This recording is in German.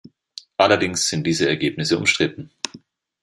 Allerdings sind diese Ergebnisse umstritten.